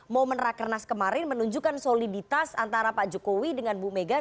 momen rakernas kemarin menunjukkan soliditas antara pak jokowi dengan bu mega